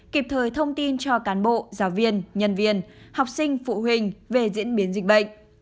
kịp thời thông tin cho cán bộ giáo viên nhân viên học sinh phụ huynh về diễn biến dịch bệnh